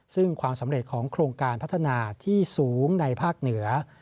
ซึ่งความสำเร็จของโครงการพัฒนาที่สูงในภาคเหนือ